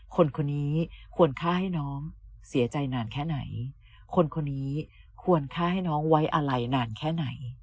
คนคนนี้ควรฆ่าให้น้องเสียใจนานแค่ไหนคนคนนี้ควรฆ่าให้น้องไว้อะไรนานแค่ไหน